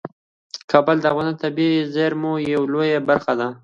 کابل د افغانستان د طبیعي زیرمو یوه لویه برخه ده.